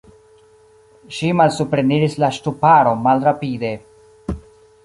Ŝi malsupreniris la ŝtuparon malrapide.